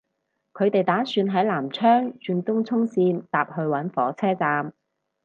佢哋打算喺南昌轉東涌綫搭去搵火車站